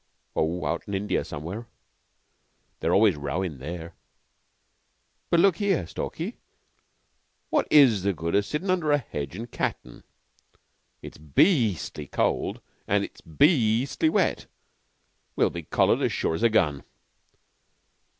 "Oh, out in India somewhere. We're always rowin' there. But look here, Stalky, what is the good o' sittin' under a hedge an' cattin'? It's be eastly cold. It's be eastly wet, and we'll be collared as sure as a gun."